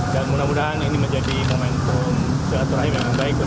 dan mudah mudahan ini menjadi momentum selaturahim yang baik